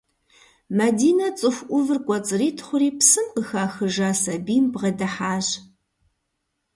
Мадинэ цӏыху ӏувыр кӏуэцӏритхъури псым къыхахыжа сабийм бгъэдыхьащ.